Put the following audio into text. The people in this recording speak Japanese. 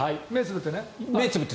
目をつぶって。